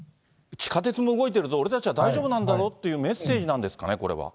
地下鉄も動いてるぞ、俺たちは大丈夫なんだぞっていうメッセージなんですかね、これは。